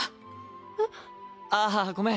えっ？ああごめん